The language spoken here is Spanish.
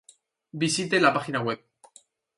Visite la página web